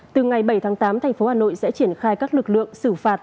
từ ngày bảy tháng tám tp hà nội sẽ triển khai các lực lượng xử phạt